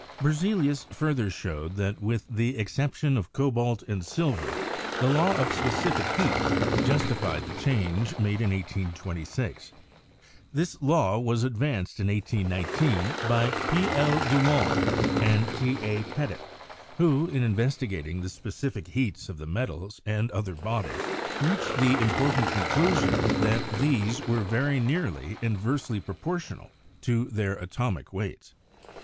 Berzelius further showed that with the exception of cobalt and silver the law of specific heat justified the change made in 1826. This law was advanced in 1819 by P. L. Dulong and T. A. Petit, who, in investigating the specific heats of the metals and other bodies, reached the important conclusion that these were very nearly inversely proportional to their atomic weights.